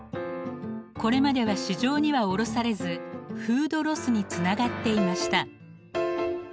これまでは市場には卸されずフードロスにつながっていました。